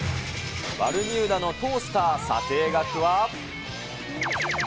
バルミューダのトースター、×××円。